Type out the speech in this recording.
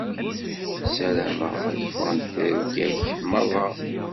Ssarameɣ ad ffɣent tirga-ik meṛṛa.